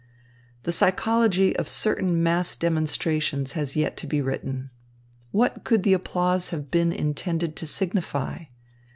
The psychology of certain mass demonstrations has yet to be written. What could the applause have been intended to signify?